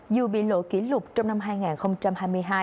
dù bị lộ kỷ lục trong năm hai nghìn hai mươi hai